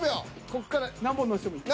こっから何本乗せてもいい。